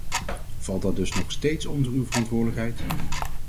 Valt dat dus nog steeds onder uw verantwoordelijkheid?